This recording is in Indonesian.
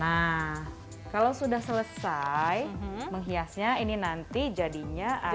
nah kalau sudah selesai menghiasnya ini nanti jadinya ada